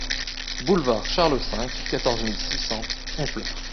Boulevard Charles cinq, quatorze mille six cents Honfleur